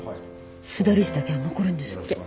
須田理事だけは残るんですって。